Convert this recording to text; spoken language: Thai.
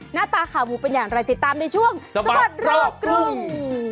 หน้าตาขาหมูเป็นอย่างไรติดตามในช่วงสบัดรอบกรุง